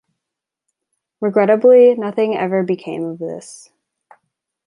Regrettably, nothing ever became of this.